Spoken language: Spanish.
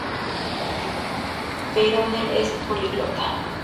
Peyronel es políglota.